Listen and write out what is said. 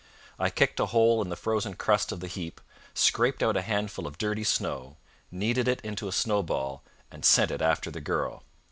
I kicked a hole in the frozen crust of the heap, scraped out a handful of dirty snow, kneaded it into a snowball, and sent it after the girl.